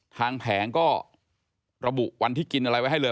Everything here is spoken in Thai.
แผงก็ระบุวันที่กินอะไรไว้ให้เลย